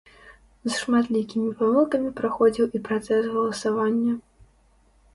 З шматлікімі памылкамі праходзіў і працэс галасавання.